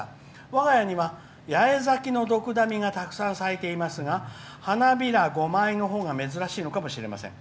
わが家には、八重咲きのどくだみがたくさん咲いていますが花びら５枚のほうが珍しいのかもしれません。